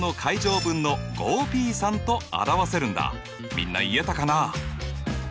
みんな言えたかな？